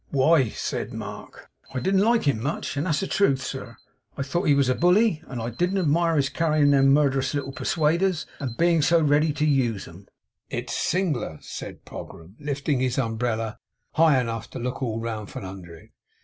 'Why,' said Mark, 'I didn't like him much; and that's the truth, sir. I thought he was a bully; and I didn't admire his carryin' them murderous little persuaders, and being so ready to use 'em.' 'It's singler!' said Pogram, lifting his umbrella high enough to look all round from under it.